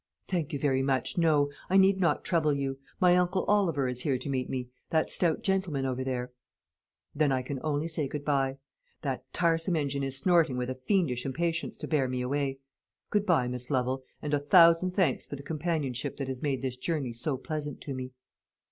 "Thank you very much, no; I need not trouble you. My uncle Oliver is here to meet me that stout gentleman over there." "Then I can only say good bye. That tiresome engine is snorting with a fiendish impatience to bear me away. Good bye, Miss Lovel, and a thousand thanks for the companionship that has made this journey so pleasant to me."